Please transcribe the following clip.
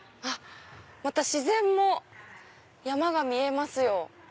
また自然も山が見えますよ。